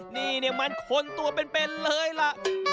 นี่มันคนตัวเป็นเลยล่ะ